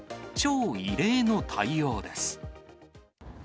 超異例の対応です。